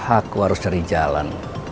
aku harus cari jalan